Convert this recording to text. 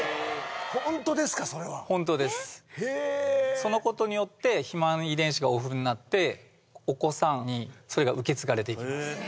ホントですかそれは本当ですへえそのことによって肥満遺伝子がオフになってお子さんにそれが受け継がれていきます